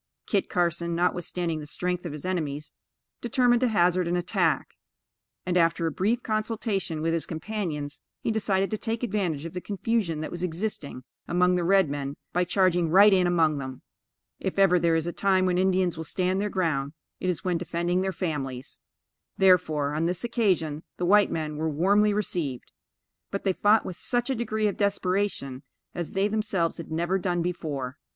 Kit Carson, notwithstanding the strength of his enemies, determined to hazard an attack; and, after a brief consultation with his companions, he decided to take advantage of the confusion that was existing among the red men by charging right in among them. If ever there is a time when Indians will stand their ground, it is when defending their families; therefore, on this occasion, the white men were warmly received; but, they fought with such a degree of desperation, as they themselves had never done before.